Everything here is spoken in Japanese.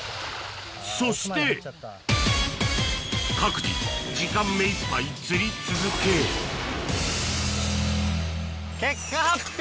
そして各自時間目いっぱい釣り続け結果発表！